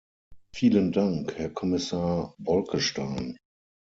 Vielen Dank, Herr Kommissar Bolkestein.